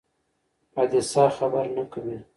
حادثه خبر نه کوي.